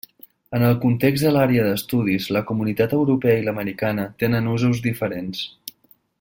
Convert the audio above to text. En el context de l'àrea d'estudis, la comunitat europea i l'americana tenen usos diferents.